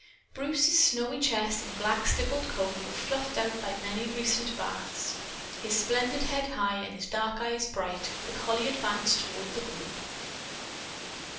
Bruce's snowy chest and black stippled coat were fluffed out by many recent baths. His splendid head high and his dark eyes bright, the collie advanced toward the group.